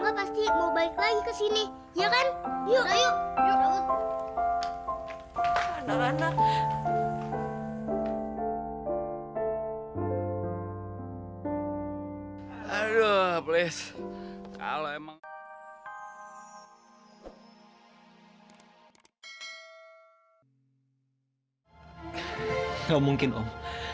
gak mungkin om